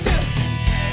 saya yang menang